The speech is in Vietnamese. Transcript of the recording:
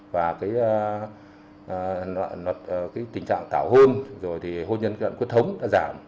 và tình trạng tảo hôn hôn nhân quyết thống đã giảm